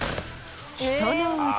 ［人の腕］